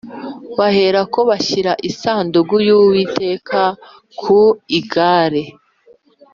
Baherako bashyira isanduku y’Uwiteka ku igare